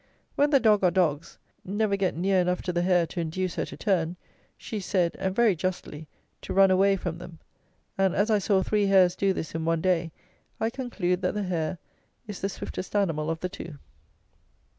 When the dog, or dogs, never get near enough to the hare to induce her to turn, she is said, and very justly, to "run away" from them; and, as I saw three hares do this in one day, I conclude, that the hare is the swiftest animal of the two.